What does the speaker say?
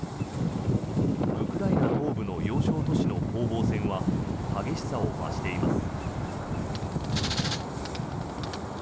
ウクライナ東部の要衝都市の攻防戦は激しさを増しています。